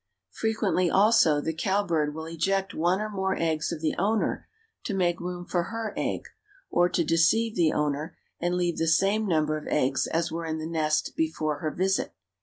Frequently, also, the cowbird will eject one or more eggs of the owner to make room for her egg, or to deceive the owner and leave the same number of eggs as were in the nest before her visit.